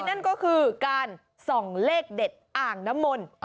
นั่นก็คือการส่องเลขเด็ดอ่างน้ำมนต์